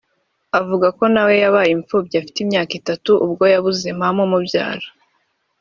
avuga ko nawe yabaye imfubyi afite imyaka itatu ubwo yabuze mama umubyara